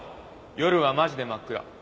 夜はマジで真っ暗。